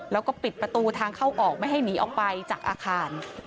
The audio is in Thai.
แล้วก็ปิดประตูทางเข้าออกไม่ให้หนีออกไปจากอาคาร